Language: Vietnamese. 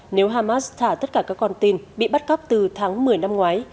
nếu hamas thả tất cả các con tin bị bắt cóc từ tháng một mươi năm ngoái